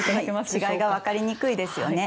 違いが分かりにくいですよね。